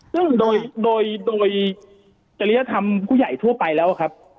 ซึ่งโดยโดยจริยธรรมผู้ใหญ่ทั่วไปแล้วครับ